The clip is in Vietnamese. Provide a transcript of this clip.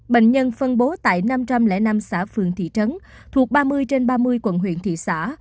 bệnh nhân phân bố tại năm trăm linh năm xã phường thị trấn thuộc ba mươi trên ba mươi quận huyện thị xã